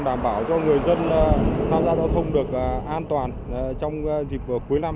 đảm bảo cho người dân tham gia giao thông được an toàn trong dịp cuối năm